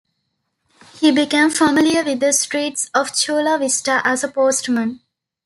He became familiar with the streets of Chula Vista as a postman.